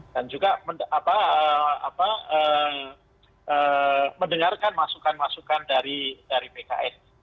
dan juga mendengarkan masukan masukan dari pks